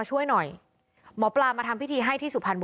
เวลาไป